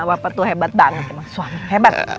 apa tuh hebat banget emang suami hebat